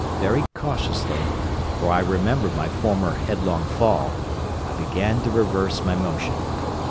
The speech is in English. Very cautiously, for I remembered my former headlong fall, I began to reverse my motion.